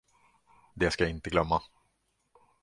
Det skall jag inte glömma.